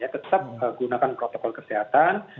tetap gunakan protokol kesehatan